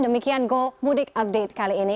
demikian go mudik update kali ini